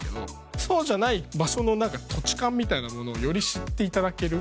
そうじゃない場所の何か土地勘みたいなものをより知っていただける。